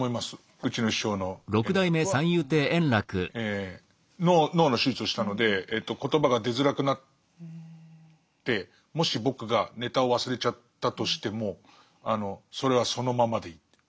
うちの師匠の円楽は脳の手術をしたので言葉が出づらくなってもし僕がネタを忘れちゃったとしてもそれはそのままでいいって。